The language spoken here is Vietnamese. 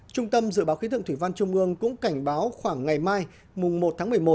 trung tâm dự báo khí tượng thủy văn trung ương cũng cảnh báo khoảng ngày mai mùng một tháng một mươi một